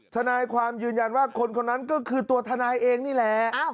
ทนายความยืนยันว่าคนคนนั้นก็คือตัวทนายเองนี่แหละ